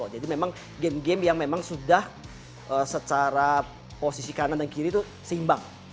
jadi memang game game yang memang sudah secara posisi kanan dan kiri tuh seimbang